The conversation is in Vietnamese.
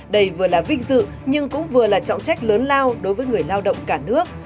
đây vừa là vinh dự nhưng cũng vừa là trọng trách lớn lao đối với người lao động cả nước